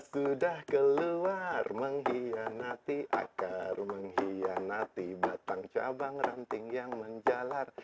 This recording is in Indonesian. sudah keluar mengkhianati akar mengkhianati batang cabang ranting yang menjalar